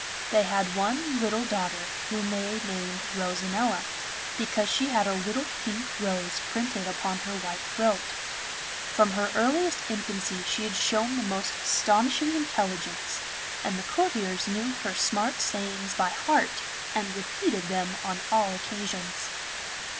They had one little daughter, whom they had named 'Rosanella,' because she had a little pink rose printed upon her white throat. From her earliest infancy she had shown the most astonishing intelligence, and the courtiers knew her smart sayings by heart, and repeated them on all occasions.